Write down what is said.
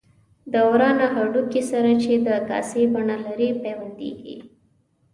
د ورانه د هډوکي سره چې د کاسې بڼه لري پیوندېږي.